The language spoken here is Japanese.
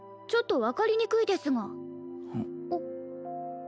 ちょっと分かりにくいですがおっ？